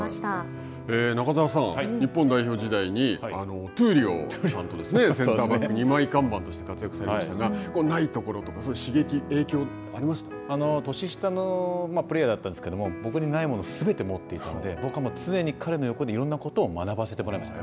中澤さん、日本代表時代に闘莉王さんとですねセンターバック２枚看板として活躍されましたがないところとか年下のプレーヤーだったんですけども僕にないものをすべて持っていたので僕は常に彼の横でいろんなことを学ばせてもらいましたね。